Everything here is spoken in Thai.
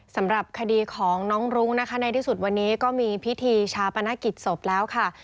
สำหรับคดีของน้องรุ้งนะคะในที่สุดวันนี้ก็มีพิธีชาปนกิจศพแล้วค่ะ